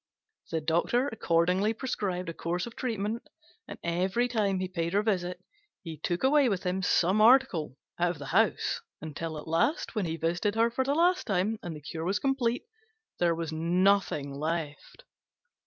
The Doctor accordingly prescribed a course of treatment, and every time he paid her a visit he took away with him some article out of the house, until at last, when he visited her for the last time, and the cure was complete, there was nothing left.